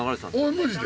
マジで？